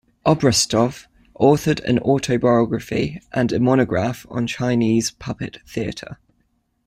Obraztsov authored an autobiography and a monograph on Chinese puppet theatre.